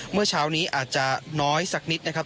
เมื่อเช้านี้อาจจะน้อยสักนิดนะครับ